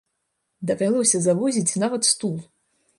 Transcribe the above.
Давялося завозіць нават стул!